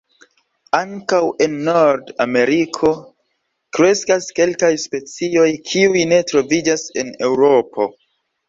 Ankaŭ en Nord-Ameriko kreskas kelkaj specioj kiuj ne troviĝas en Eŭropo.